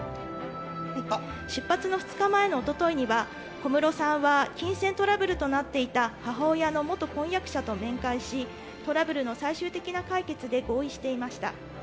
出発の２日前のおとといには、小室さんは金銭トラブルとなっていた母親の元婚約者と面会し、トラブルの最終的な解決で合意していました。